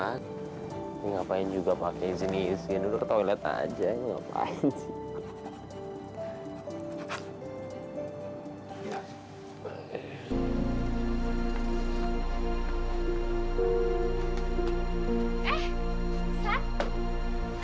tapi ngapain juga pake sini isi isi nurur toilet aja ya ngapain sih